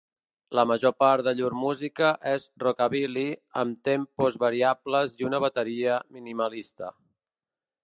La major part de llur música és rockabilly amb tempos variables i una bateria minimalista.